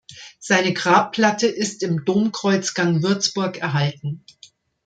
Seine Grabplatte ist im Domkreuzgang Würzburg erhalten.